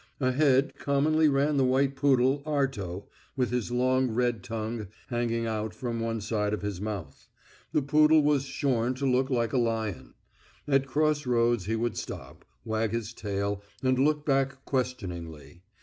Ahead commonly ran the white poodle, Arto, with his long red tongue hanging out from one side of his mouth. The poodle was shorn to look like a lion. At crossways he would stop, wag his tail, and look back questioningly.